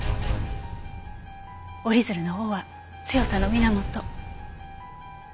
折り鶴の尾は強さの源。